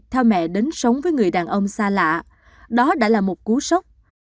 theo mẹ đến sống với người đàn ông xa lạ đó đã là một cú sốc